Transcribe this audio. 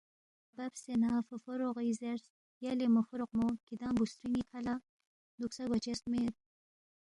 بَبسے نہ فوفوروغی زیرس، یلےموفوروقمو، کِھدانگ بُوسترِن٘ی کھا لہ دُوکسہ گواچس مید،